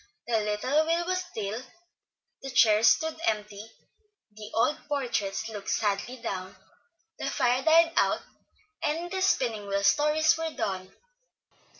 The little wheel was still, the chairs stood empty, the old portraits looked sadly down, the fire died out, and the Spinning Wheel Stories were done.